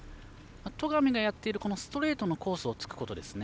戸上がやっているストレートのコースをつくことですね。